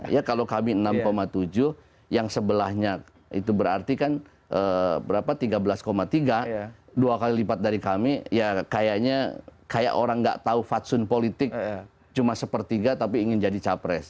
ya kalau kami enam tujuh yang sebelahnya itu berarti kan berapa tiga belas tiga dua kali lipat dari kami ya kayaknya kayak orang nggak tahu fatsun politik cuma sepertiga tapi ingin jadi capres